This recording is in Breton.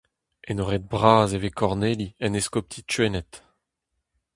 Enoret bras e vez Korneli en eskopti Gwened.